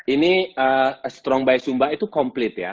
ini strong by sumba itu komplit ya